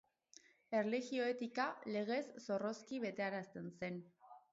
Erlijio etika legez zorrozki betearazten zen.